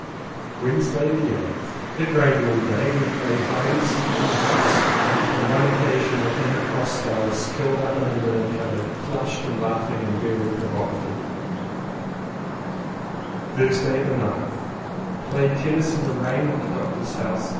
Wednesday the 8th. It rained all day. We played hide and seek in the house. On one occasion I came upon Doris curled up in a linen cupboard, flushed and laughing and very provocative. 217 CONFESSIONS OF TWO BROTHERS Thursday the 9th. Played tennis in the rain at the doctor's house.